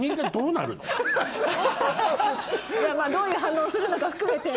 どういう反応するのか含めて。